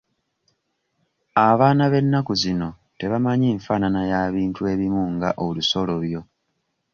Abaana b'ennaku zino tebamanyi nfaanana ya bintu ebimu nga olusolobyo.